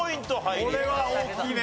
これは大きいね。